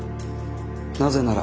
なぜなら。